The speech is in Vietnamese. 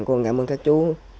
cũng cảm ơn các chú